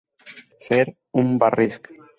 Fer un barrisc.